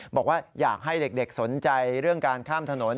บอกว่าอยากให้เด็กสนใจเรื่องการข้ามถนน